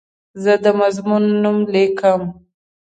زه د مضمون نوم لیکم.